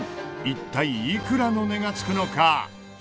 一体いくらの値がつくのか？